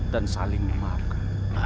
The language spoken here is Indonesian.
dan saling memaafkan